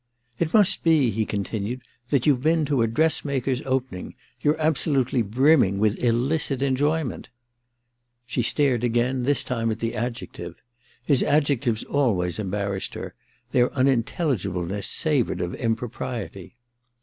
* It must be/ he continued, * that youVe been to a dressmaker's opening. YouVe absolutely brimming with illicit enjoyment' She stared again, this time at the adjective. His adjectives always embarrassed her : their unintelligibleness savoured of impropriety.